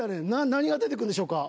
何が出てくんでしょうか？